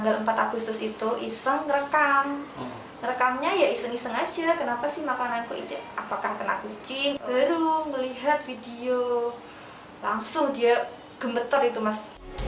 langsung dia gemetar itu mas